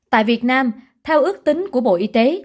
tại việt nam theo ước tính của bộ y tế